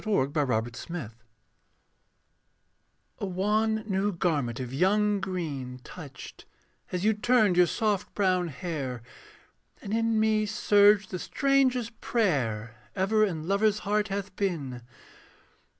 THE LAST MASQUERADE A wan new garment of young green Touched, as you turned your soft brown hair And in me surged the strangest prayer Ever in lover's heart hath been.